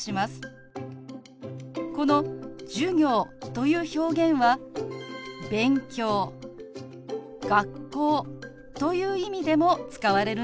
この「授業」という表現は「勉強」「学校」という意味でも使われるんですよ。